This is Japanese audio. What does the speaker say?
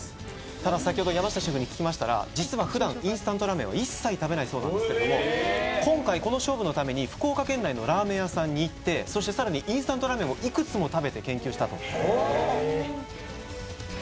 ただ先ほど山下シェフに聞きましたら実はふだんインスタントラーメンを一切食べないそうなんですけども今回この勝負のために福岡県内のラーメン屋さんに行ってそしてさらにインスタントラーメンをいくつも食べて研究したとへえー